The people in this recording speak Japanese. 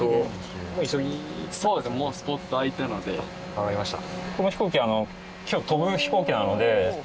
わかりました。